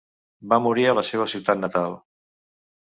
Va morir a la seva ciutat natal.